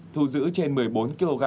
thu giữ trên một mươi bốn kg